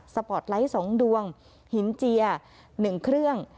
ปอร์ตไลท์๒ดวงหินเจีย๑เครื่อง